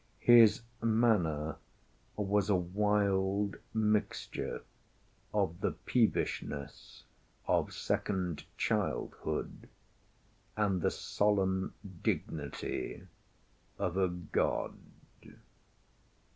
His manner was a wild mixture of the peevishness of second childhood, and the solemn dignity of a God.